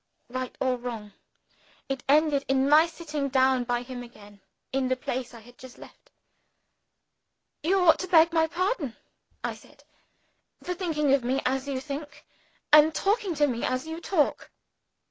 Right or wrong, it ended in my sitting down by him again in the place which I had just left. "You ought to beg my pardon," I said, "for thinking of me as you think, and talking to me as you talk."